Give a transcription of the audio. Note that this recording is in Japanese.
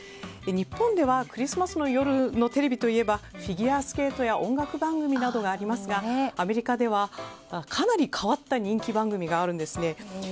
日本ではクリスマスの夜のテレビといえばフィギュアスケートや音楽番組などがありますがアメリカではかなり変わった人気番組があるですね。